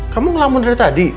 kamu melamun dari tadi